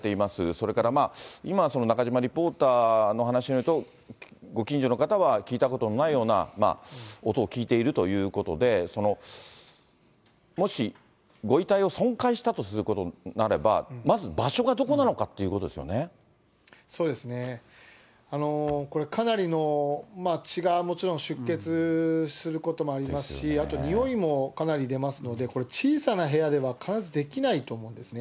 それから、今、中島リポーターからの話によると、ご近所の方は聞いたことのないような音を聞いているということで、もしご遺体を損壊したということになれば、まず場所がどこなのかそうですね。これ、かなりの血が、もちろん出血することもありますし、あとにおいもかなり出ますので、これ、小さな部屋ではできないと思うんですよね。